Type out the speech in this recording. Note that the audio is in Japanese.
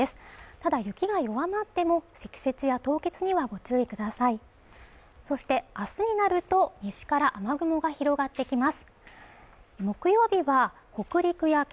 ただ雪が弱まっても積雪や凍結にはご注意くださいそして明日になると西から雨雲が広がってきます